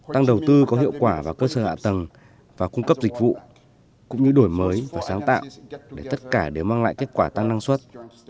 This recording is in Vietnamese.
tăng đầu tư có hiệu quả vào cơ sở hạ tầng và cung cấp dịch vụ cũng như đổi mới và sáng tạo để tất cả đều mang lại kết quả tăng năng suất